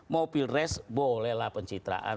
mau pil res bolehlah pencitraan